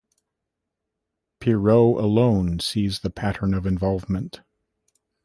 Poirot alone sees the pattern of involvement.